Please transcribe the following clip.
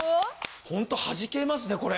ホントはじけますねこれ。